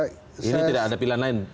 ini tidak ada pilihan lain